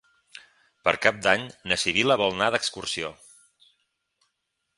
Per Cap d'Any na Sibil·la vol anar d'excursió.